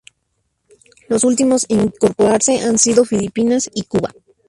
Los últimos en incorporarse han sido Filipinas y Cuba.